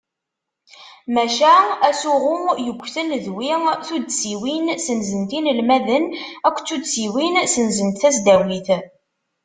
Maca asuɣu yugten d wi: Tuddsiwin senzent inelmaden akked Tuddsiwin senzent tasdawit.